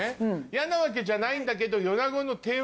嫌なわけじゃないんだけど。